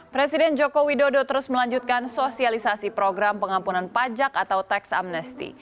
presiden joko widodo terus melanjutkan sosialisasi program pengampunan pajak atau tax amnesty